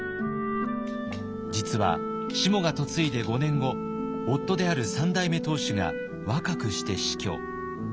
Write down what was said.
実はしもが嫁いで５年後夫である三代目当主が若くして死去。